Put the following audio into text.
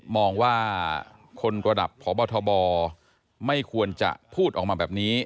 มองว่าคนระดับพบทบไม่ควรจะพูดออกมาแบบนี้